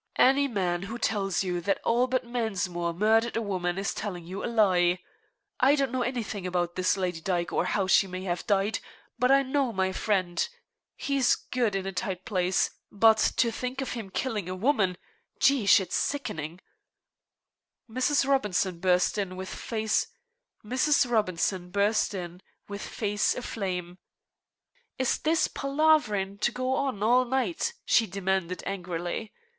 Any man who tells you that Albert Mensmore murdered a woman is telling you a lie. I don't know anything about this Lady Dyke, or how she may have died, but I do know my friend. He's good in a tight place, but, to think of him killing a woman Jehosh, it's sickening." Mrs. Robinson burst in, with face aflame. "Is this palaverin' to go on all night?" she demanded angrily.